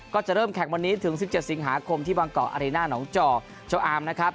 ก็จะเริ่มแข่งวันนี้ถึง๑๗สิงหาคมที่บางเกาะอารีน่าหนองจอกเจ้าอามนะครับ